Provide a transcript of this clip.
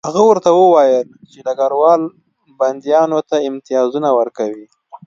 هغه ورته وویل چې ډګروال بندیانو ته امتیازونه ورکوي